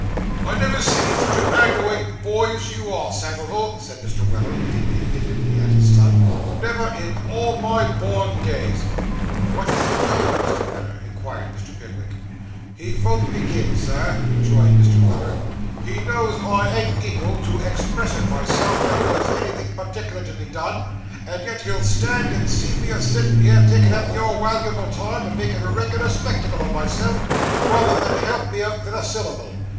'I never see sich a aggrawatin' boy as you are, Samivel,' said Mr. Weller, looking indignantly at his son; 'never in all my born days.' 'What is he doing, Mr. Weller?' inquired Mr. Pickwick. 'He von't begin, sir,' rejoined Mr. Weller; 'he knows I ain't ekal to ex pressin' myself ven there's anythin' partickler to be done, and yet he'll stand and see me a settin' here taking up your walable time, and makin' a reg'lar spectacle o' myself, rayther than help me out vith a syllable.